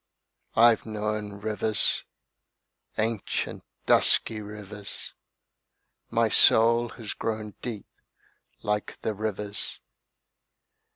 I've known rivers: Ancient, dusky rivers. My soul has grown deep like the rivers.